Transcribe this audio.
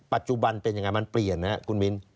ปัจจุบันเป็นยังไงมันเปลี่ยนนะครับคุณมิ้น